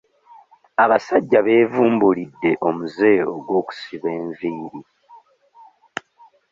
Abasajja beevumbulidde omuze gw'okusiba enviiri.